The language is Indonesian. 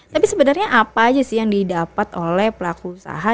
tapi sebenarnya apa aja sih yang didapat oleh pelaku usaha